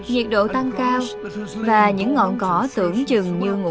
nhiệt độ tăng cao và những ngọn cỏ tưởng chừng như một vùng đất